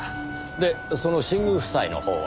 でその新宮夫妻のほうは？